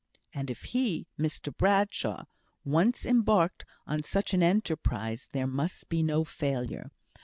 And if he (Mr Bradshaw) once embarked on such an enterprise, there must be no failure.